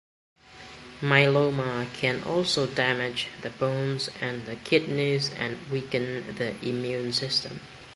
Myeloma can also damage the bones and the kidneys and weaken the immune system.